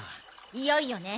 いよいよね。